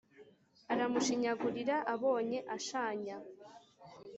Aramushinyagurira abonye ashanya